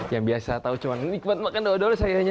yang biasa tahu cuma nikmat makan doang doang sayanya